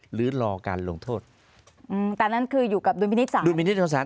หรือรอการลงโทษอืมแต่นั่นคืออยู่กับดุลพินิษฐศาลดุลพินิษฐธรรมศาส